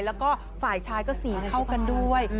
แล้วก็ฝ่ายชายก็สีเข้ากันด้วย